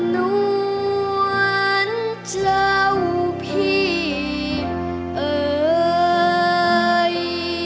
นวลเจ้าพี่เอ่ย